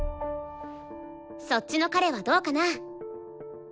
そっちの彼はどうかな？